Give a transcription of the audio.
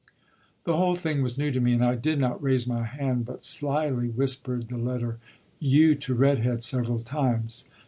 The whole thing was new to me, and I did not raise my hand, but slyly whispered the letter "u" to "Red Head" several times.